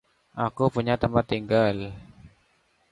Aku punya tempat tinggal.